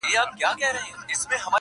چي ته مزاج د سپيني آیینې لرې که نه,